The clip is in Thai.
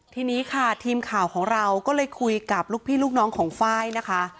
ทีนี้ค่ะทีมข่าวของเราก็เลยคุยกับลูกพี่ลูกน้องของไฟล์นะคะ